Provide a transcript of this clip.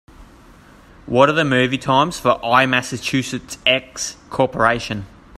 what are the movie times for IMassachusettsX Corporation